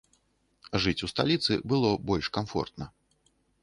Жыць у сталіцы было больш камфортна.